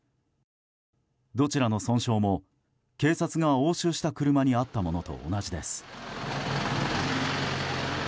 どちらの損傷も警察が押収した車にあったものと同じです。